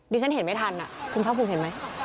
ดิฉันเห็นไม่ทันคุณครับคุณเห็นไหม